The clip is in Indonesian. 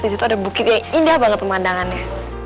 di situ ada bukit yang indah banget pemandangannya